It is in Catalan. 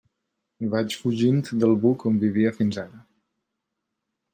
Vaig fugint del buc on vivia fins ara.